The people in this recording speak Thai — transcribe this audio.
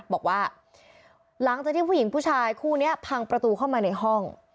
บอกว่าหลังจากที่ผู้หญิงผู้ชายคู่นี้พังประตูเข้ามาในห้อง